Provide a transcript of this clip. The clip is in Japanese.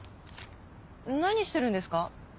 何してるんですか？